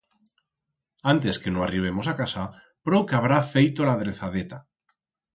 Antes que no arribemos a casa, prou que habrá feito l'adrezadeta.